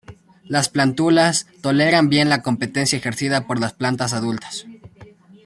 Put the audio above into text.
Las plántulas toleran bien la competencia ejercida por las plantas adultas.